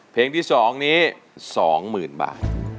เพลงที่๒นี้๒๐๐๐บาท